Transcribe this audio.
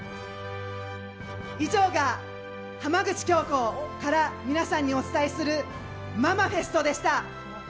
以上が浜口京子から皆さんにお伝えするママフェストでした。